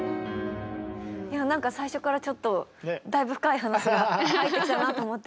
なんか最初からちょっとだいぶ深い話が入ってきたなと思って。